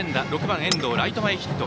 ６番、遠藤はライト前ヒット。